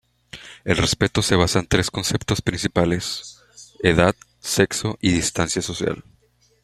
El respeto se basa en tres conceptos principales: edad, sexo y distancia social.